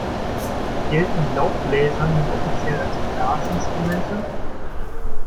Gelten Laubbläser nun offiziell als Blasinstrumente?